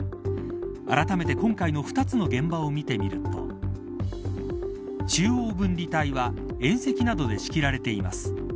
あらためて今回の２つの現場を見てみると中央分離帯は縁石などで仕切られています。